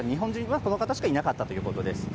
この方しかいなかったということです。